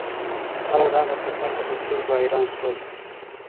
خلک د هغه سفر ته په سترګو حیران شول.